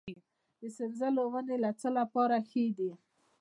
د سنځلو ونې د څه لپاره ښې دي؟